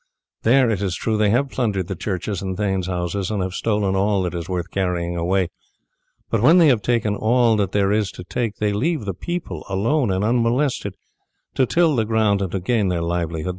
"There, it is true, they have plundered the churches and thanes' houses and have stolen all that is worth carrying away; but when they have taken all that there is to take they leave the people alone, and unmolested, to till the ground and to gain their livelihood.